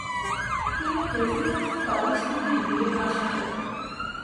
তিনি Presidency College থেকে BA. Pass করেন।